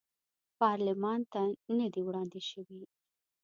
پارلمان ته نه دي وړاندې شوي.